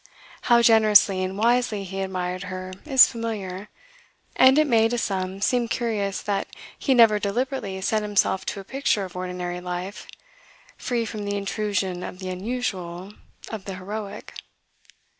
How generously and wisely he admired her is familiar, and it may, to some, seem curious that he never deliberately set himself to a picture of ordinary life, free from the intrusion of the unusual, of the heroic.